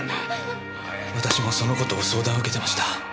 私もその事を相談受けてました。